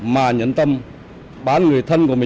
mà nhấn tâm